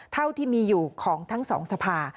เท่าที่มีอยู่ของทั้งสองสภา